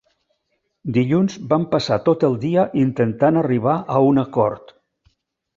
Dilluns van passar tot el dia intentant arribar a un acord.